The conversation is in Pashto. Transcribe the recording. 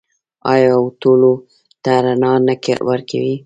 آیا او ټولو ته رڼا نه ورکوي؟